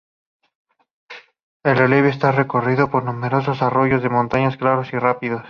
El relieve está recorrido por numerosos arroyos de montaña, claros y rápidos.